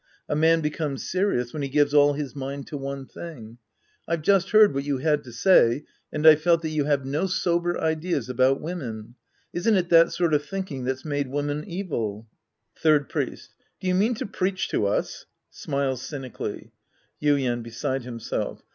A man becomes serious when he gives all his mind to one thing. I've just heard what you had to say, and I've felt that you have no sober ideas about women. Isn't it that sort of thinking that's made woman evil. Third Priest. Do you mean to pieach to us? {Smiles cynically.) Yuien (beside himself).